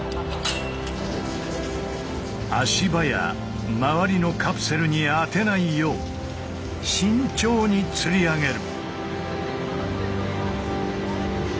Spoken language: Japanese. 足場や周りのカプセルに当てないよう慎重に吊り上げる。